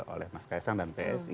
oleh mas kaisang dan psi